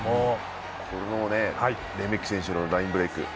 このレメキ選手のラインブレイク。